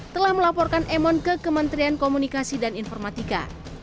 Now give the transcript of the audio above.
telah melaporkan emon ke kementerian komunikasi dan informatika